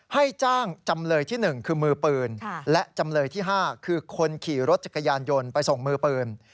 ให้จ้างจำเลยที่๑คือมือปืนและจำเลยที่๕คือคนขี่รถจักรยานยนต์ไปส่งมือปืน